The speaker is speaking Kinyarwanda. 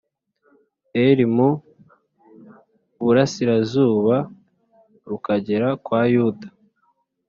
L mu burasirazuba rukagera kwa yuda